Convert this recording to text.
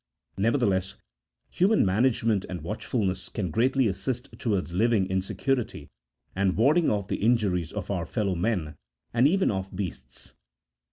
Nevertheless, human management and watchfulness can greatly assist towards living in security and warding off the injuries of our fellow men, and even of beasts.